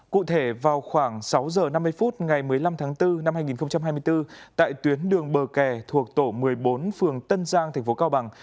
cụ thể vào khoảng sáu giờ năm mươi phút ngày một mươi năm tháng bốn năm hai nghìn hai mươi bốn tại tuyến đường bờ kè thuộc tổ một mươi bốn phường tân giang tp cao bằng